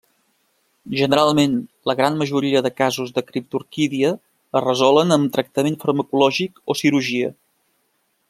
Generalment, la gran majoria de casos de criptorquídia es resolen amb tractament farmacològic o cirurgia.